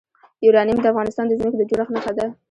یورانیم د افغانستان د ځمکې د جوړښت نښه ده.